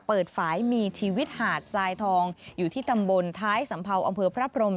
ฝ่ายมีชีวิตหาดทรายทองอยู่ที่ตำบลท้ายสัมเภาอำเภอพระพรม